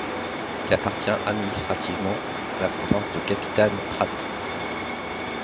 Il appartient administrativement à la province de Capitán Prat.